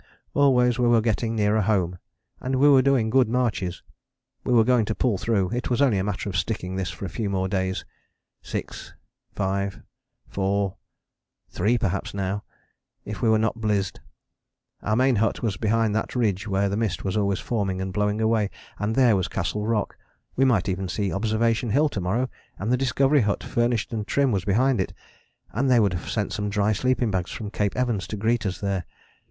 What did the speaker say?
Always we were getting nearer home: and we were doing good marches. We were going to pull through; it was only a matter of sticking this for a few more days; six, five, four ... three perhaps now, if we were not blizzed. Our main hut was behind that ridge where the mist was always forming and blowing away, and there was Castle Rock: we might even see Observation Hill to morrow, and the Discovery Hut furnished and trim was behind it, and they would have sent some dry sleeping bags from Cape Evans to greet us there.